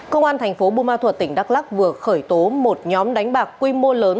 công an thành phố bùa ma thuật tỉnh đắk lắc vừa khởi tố một nhóm đánh bạc quy mô lớn